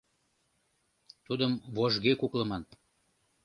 Тудым вожге куклыман.